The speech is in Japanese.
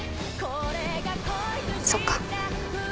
そっか。